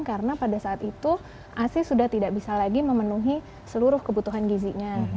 karena pada saat itu asi sudah tidak bisa lagi memenuhi seluruh kebutuhan gizinya